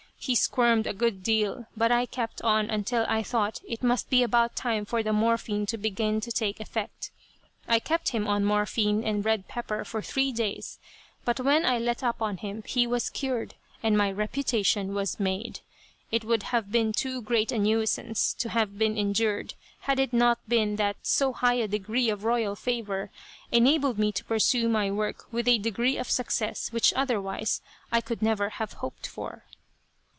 He squirmed a good deal, but I kept on until I thought it must be about time for the morphine to begin to take effect. I kept him on morphine and red pepper for three days, but when I let up on him he was cured, and my reputation was made. It would have been too great a nuisance to have been endured, had it not been that so high a degree of royal favor enabled me to pursue my work with a degree of success which otherwise I could never have hoped for.